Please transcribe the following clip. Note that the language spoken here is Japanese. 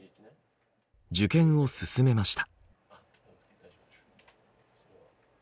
受験を勧めました。